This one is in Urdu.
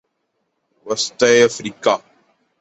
وسطی افریقہ